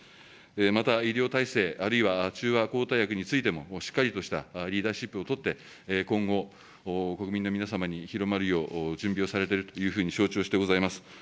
また、医療体制、あるいは中和抗体薬についても、しっかりとしたリーダーシップを取って、今後、国民の皆様に広まるよう、準備をされているというふうに承知をしてございます。